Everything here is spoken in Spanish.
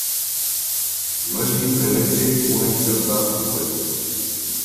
No es simplemente una interfaz web.